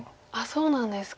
そうなんですか。